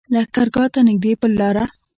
لښکرګاه ته نږدې پر لاره.